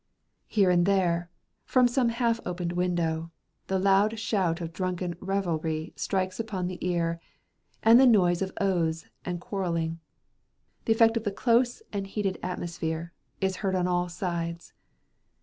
Here and there, from some half opened window, the loud shout of drunken revelry strikes upon the ear, and the noise of oaths and quarrelling—the effect of the close and heated atmosphere—is heard on all sides.